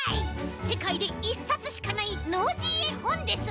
せかいで１さつしかないノージーえほんです！